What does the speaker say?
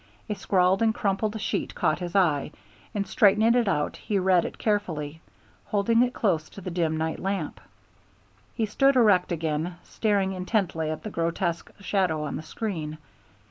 A scrawled and crumpled sheet caught his eye, and straightening it out he read it carefully, holding it close to the dim night lamp. He stood erect again, staring intently at the grotesque shadows on the screen.